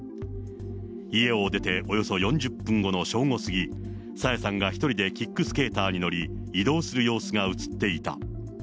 家を出ておよそ４０分後の正午過ぎ、朝芽さんが１人でキックスケーターに乗り、移動する様子が写っていた。